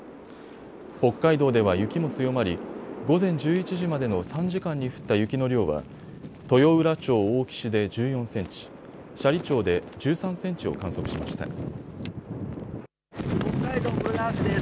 北海道では雪も強まり午前１１時までの３時間に降った雪の量は豊浦町大岸で１４センチ、斜里町で１３センチを観測しました。